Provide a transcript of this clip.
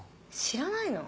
知らないの？